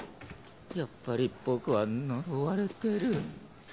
やっぱり僕は呪われてる。